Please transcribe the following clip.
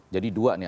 jadi dua nih